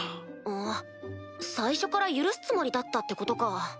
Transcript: あ最初から許すつもりだったってことか。